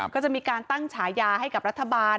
ก็จะมีการตั้งฉายาให้กับรัฐบาล